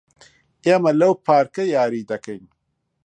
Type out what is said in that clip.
ئێمە لەو پارکە یاری دەکەین.